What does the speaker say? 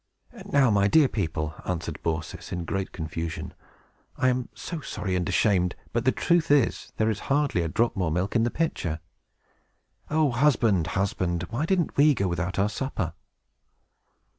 "Now, my dear people," answered Baucis, in great confusion, "I am so sorry and ashamed! But the truth is, there is hardly a drop more milk in the pitcher. O husband! husband! why didn't we go without our supper?"